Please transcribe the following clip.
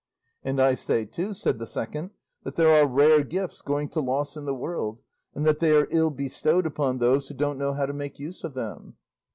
'And I say too,' said the second, 'that there are rare gifts going to loss in the world, and that they are ill bestowed upon those who don't know how to make use of them.